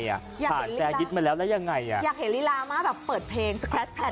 อยากเห็นลิลาอยากเห็นลิลาอัมม่าแบบเปิดเพลงสแคร์ชแพท